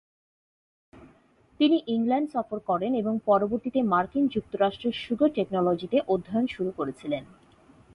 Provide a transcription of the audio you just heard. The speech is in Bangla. তিনি ইংল্যান্ড সফর করেন এবং পরবর্তীতে মার্কিন যুক্তরাষ্ট্রের সুগার টেকনোলজিতে অধ্যয়ন শুরু করেছিলেন।